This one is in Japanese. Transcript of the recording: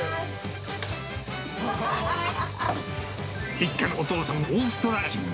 一家のお父さんはオーストラリア人。